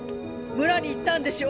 村に行ったんでしょ。